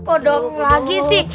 kodok lagi sih